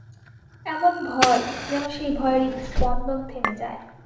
এমন ভয়, যেন সেই ভয়ে হৃৎস্পন্দন থেমে যায়।